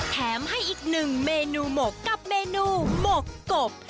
แถมให้อีกหนึ่งเมนูหมกกับเมนูหมกกบ